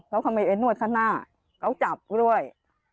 แล้วเขาไม่ไปนวดข้างหน้าเขาจับด้วย